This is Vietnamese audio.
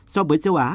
so với châu á